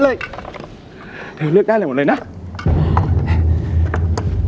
เธอเลือกได้เลยหมดเลยนะเอาแบบเอาแบบเธอเลยน่ะใช่ไหม